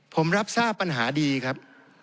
ผมรับทราบปัญหาดีครับ